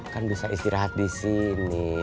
kan bisa istirahat di sini